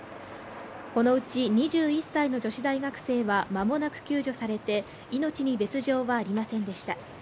このうち２１歳の女子大学生は間もなく救助されて命に別状はありませんでした。